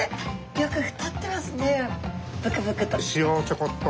よく太ってますねぶくぶくと。